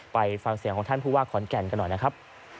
ไปฟังเสียงของท่านผู้ว่าขอนแก่นกันหน่อยนะครับ